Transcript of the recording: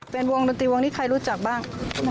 เป็นวงดุตรีใครรู้จักบ้าง